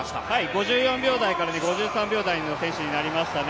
５４秒台から５３秒台の選手になりましたね。